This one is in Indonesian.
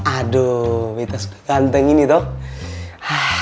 aduhh betta sudah ganteng ini toh